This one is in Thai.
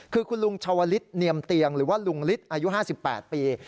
คือคุณลุงชาวฤทธิ์เนียมเตียงหรือว่าลุงฤทธิ์อายุห้าสิบแปดปี